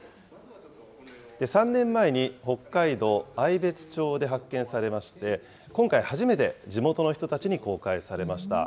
３年前に北海道愛別町で発見されまして、今回初めて、地元の人たちに公開されました。